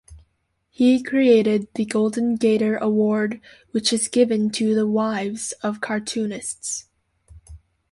He created the Golden Gator Award which is given to the wives of cartoonists.